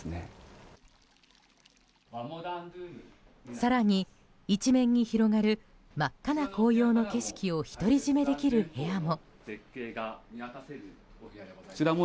更に、一面に広がる真っ赤な紅葉の景色を独り占めできる部屋も。